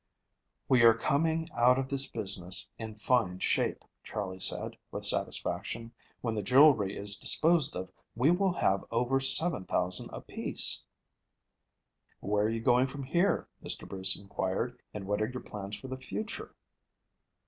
"We are coming out of this business in fine shape," Charley said, with satisfaction. "When the jewelry is disposed of we will have over $7,000 apiece." "Where are you going from here?" Mr. Bruce inquired; "and what are your plans for the future?"